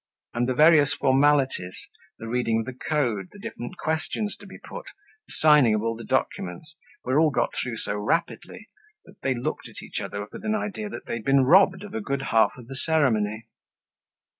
And the various formalities—the reading of the Code, the different questions to be put, the signing of all the documents—were all got through so rapidly that they looked at each other with an idea that they had been robbed of a good half of the ceremony.